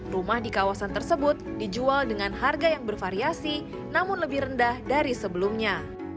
rumah di kawasan tersebut dijual dengan harga yang bervariasi namun lebih rendah dari sebelumnya